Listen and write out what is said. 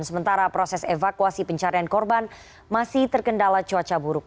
sementara proses evakuasi pencarian korban masih terkendala cuaca buruk